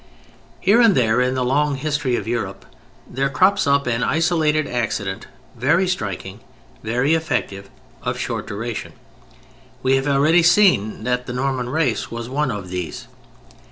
Here and there in the long history of Europe there crops up an isolated accident, very striking, very effective, of short duration. We have already seen that the Norman race was one of these.